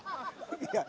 いや。